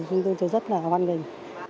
chúng tôi rất là hoan linh